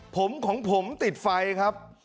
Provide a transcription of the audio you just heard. ผมของผมติดไฟครับ